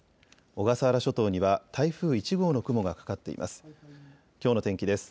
小笠原諸島には台風１号の雲がかかっています。